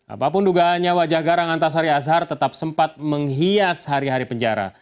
apapun dugaannya wajah garang antasari azhar tetap sempat menghias hari hari penjara